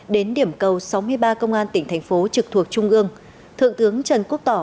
đến điểm cầu sáu mươi ba công an tỉnh thành phố trực thuộc trung ương thượng tướng trần quốc tỏ